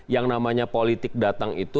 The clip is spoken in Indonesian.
yang namanya politik datang itu